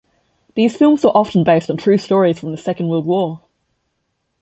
These films were often based on true stories from the Second World War.